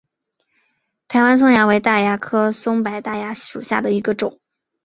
台湾松蚜为大蚜科松柏大蚜属下的一个种。